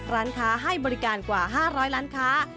ร้านค้าให้บริการกว่า๕๐๐ล้านค้า